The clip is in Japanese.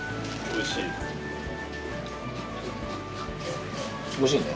おいしいね。